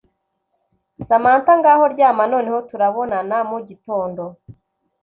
Samantha ngaho ryama noneho turabonana mu gitondo